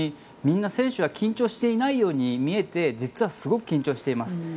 みんな選手は緊張していないように見えて実はすごく緊張しています。